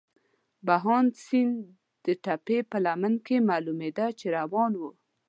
بهاند سیند د تپې په لمن کې معلومېده، چې روان وو.